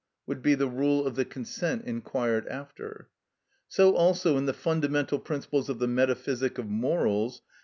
_ would be the rule of the consent inquired after. So also in the "Fundamental Principles of the Metaphysic of Morals" (p.